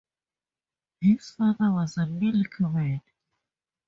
His father was a milkman.